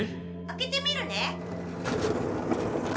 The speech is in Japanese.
開けてみるね。